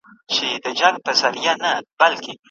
نن تر بامه رسېدلی پر ده زور وو